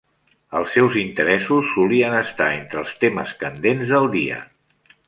Els seus interessos solien estar entre els temes candents del dia.